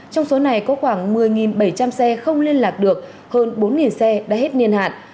trong số này có khoảng một mươi bảy trăm linh xe không liên lạc được hơn bốn xe đã hết niên hạn